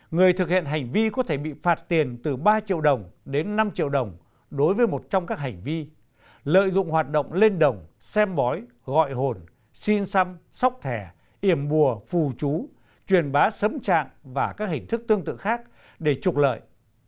người thực hiện hành vi có thể bị phạt tiền từ ba triệu đồng đến năm triệu đồng đối với một trong các hành vi lợi dụng hoạt động lên đồng xem bói gọi hồn xin xăm sóc thẻ iểm bùa phù chú truyền bá sấm trạng và các hình thức tương tự khác để trục lợi